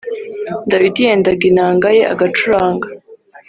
Dawidi yendaga inanga ye agacuranga